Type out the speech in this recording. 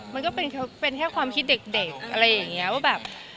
มันก็เป็นแค่ความคิดเด็กอะไรอย่างนี้ว่าแบบ